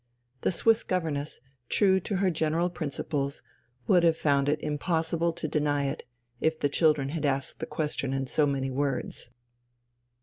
The Swiss governess, true to her general principles, would have found it impossible to deny it, if the children had asked the question in so many words.